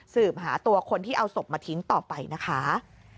สืบหาตัวคนที่เอาศพมาทิ้งต่อไปนะคะ